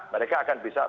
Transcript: mereka akan bisa